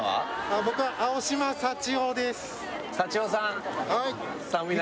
僕は青島祥夫です